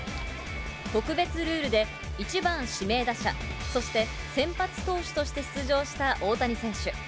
特別ルールで、１番指名打者、そして先発投手として出場した大谷選手。